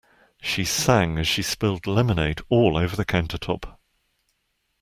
She sang as she spilled lemonade all over the countertop.